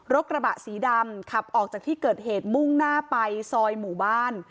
กระบะสีดำขับออกจากที่เกิดเหตุมุ่งหน้าไปซอยหมู่บ้าน